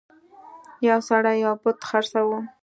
یو سړي یو بت خرڅاوه.